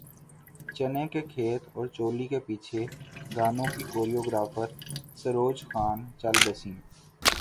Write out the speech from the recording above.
چنے کے کھیت اور چولی کے پیچھے گانوں کی کوریوگرافر سروج خان چل بسیں